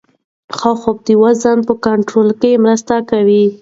ښه خوب د وزن په کنټرول کې مرسته کوي.